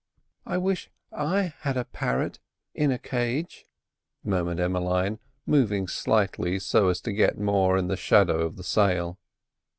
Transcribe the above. "I wish I had a parrot in a cage," murmured Emmeline, moving slightly so as to get more in the shadow of the sail.